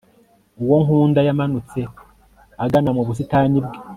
uwo nkunda yamanutse agana mu busitani bwe